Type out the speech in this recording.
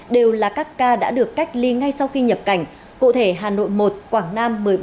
đều là các ca đã được cách ly ngay sau khi nhập cảnh cụ thể hà nội một quảng nam một mươi bốn